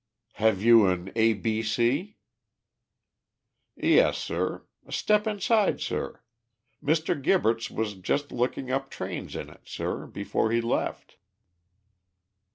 "Have you an 'ABC'?" "Yes, sir; step inside, sir. Mr. Gibberts was just looking up trains in it, sir, before he left."